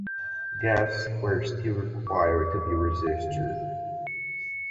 Guests were still required to be registered.